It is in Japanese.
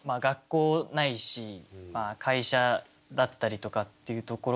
学校ないし会社だったりとかっていうところから。